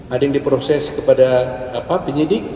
ada yang diproses kepada penyidik